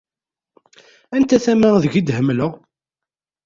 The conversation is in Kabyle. Anta tama ideg d-hemmleɣ.